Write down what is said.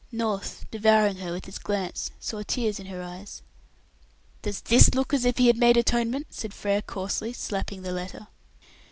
North, devouring her with his glance, saw tears in her eyes. "Does this look as if he had made atonement?" said Frere coarsely, slapping the letter.